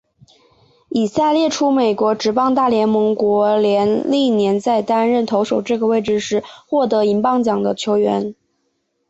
以下列出美国职棒大联盟国联历年在担任投手这个位置时获得银棒奖的球员。